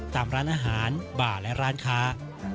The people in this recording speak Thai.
ตามร้านอาหารบ่าและร้านค้า